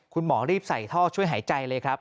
คุณหมอรีบใส่ท่อช่วยหายใจเลยครับ